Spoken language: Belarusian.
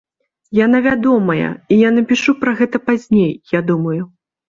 Яна вядомая, і я напішу пра гэта пазней, я думаю.